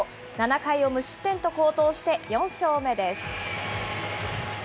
７回を無失点と好投して、４勝目です。